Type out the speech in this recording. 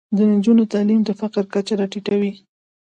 د نجونو تعلیم د فقر کچه راټیټوي.